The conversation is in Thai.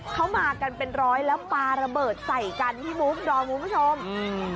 เขามากันเป็นร้อยแล้วปลาระเบิดใส่กันพี่บุ๊คดอมคุณผู้ชมอืม